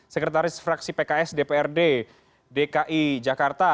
sekretaris fraksi pks dprd dki jakarta